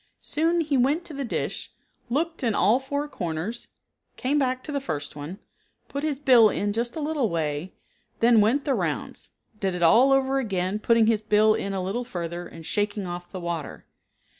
Soon he went to the dish, looked in all four corners, came back to the first one, put his bill in just a little way, then went the rounds; did it all over again, putting his bill in a little further, and shaking off the water.